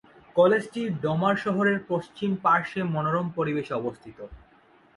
কলেজটি ডোমার শহরের পশ্চিম পার্শ্বে মনোরম পরিবেশে অবস্থিত।